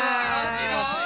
すごい！